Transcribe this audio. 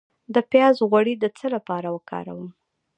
د پیاز غوړي د څه لپاره وکاروم؟